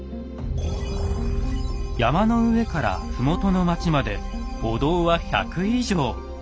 山の上から麓の町までお堂は１００以上！